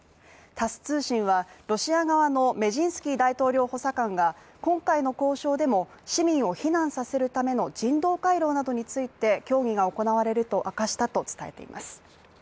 タス通信は、ロシア側のメジンスキー大統領補佐官が今回の交渉でも市民を避難させるための人道回廊などについて協議が行われると明かしたと伝えています。